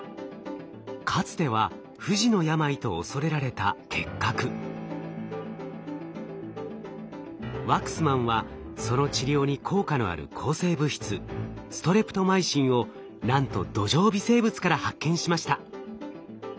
かつては不治の病と恐れられたワクスマンはその治療に効果のある抗生物質ストレプトマイシンをなんと土壌微生物から発見しました。